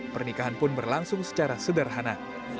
pernikahan pun berlangsung secara sederhana